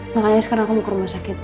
makanya sekarang aku mau ke rumah sakit